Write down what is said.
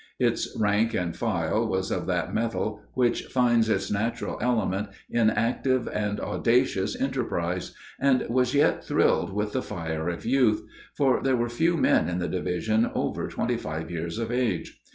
Its rank and file was of that mettle which finds its natural element in active and audacious enterprise, and was yet thrilled with the fire of youth; for there were few men in the division over twenty five years of age.